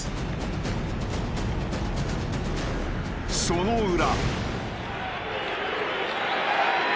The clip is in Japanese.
その裏。